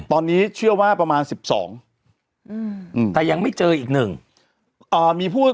ตอนนี้เชื่อว่าประมาณสิบสองอืมแต่ยังไม่เจออีกหนึ่งอ่ามีผู้